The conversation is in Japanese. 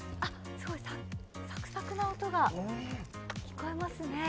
すごいサクサクな音が聞こえますね